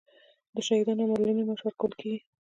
د شهیدانو او معلولینو معاش ورکول کیږي